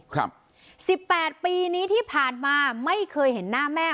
สิบแปดปีนี้ที่ผ่านมาไม่เคยเห็นหน้าแม่